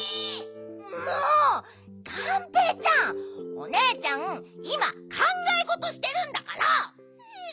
おねえちゃんいまかんがえごとしてるんだから！